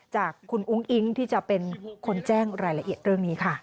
จากคุณอุ้งอิ๊งที่จะเป็นคนแจ้งรายละเอียดเรื่องนี้ค่ะ